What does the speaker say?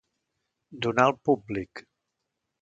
Donar al públic.